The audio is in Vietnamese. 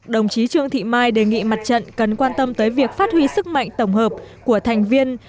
đồng chí trương thị mai đề nghị mặt trận cần quan tâm tới việc phát huy sức mạnh tổng hợp của thành viên